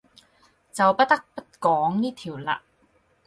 就不得不講呢條喇